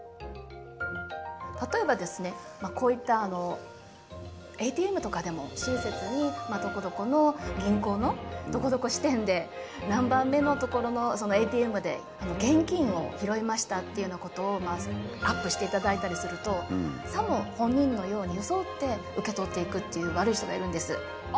例えばですねこういったＡＴＭとかでも親切にどこどこの銀行のどこどこ支店で何番目の所のＡＴＭで現金を拾いましたっていうようなことをアップしていただいたりするとさも本人のように装って受け取っていくっていう悪い人がいるんです。